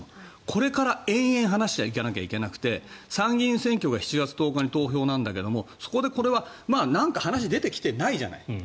これから延々話していかなきゃいけなくて参議院選挙が７月１０日に投票なんだけど、そこで話が出てきてないじゃない。